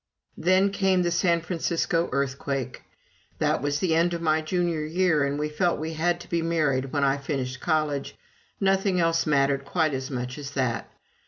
Then came the San Francisco earthquake. That was the end of my Junior year, and we felt we had to be married when I finished college nothing else mattered quite as much as that.